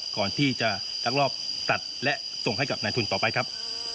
ก่อนที่จะลักลอบตัดและส่งให้กับนายทุนต่อไปครับ